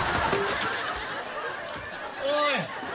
おい。